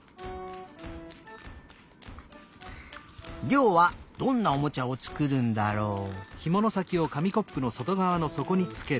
りょうはどんなおもちゃをつくるんだろう？